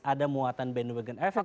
ada muatan bandwagon efek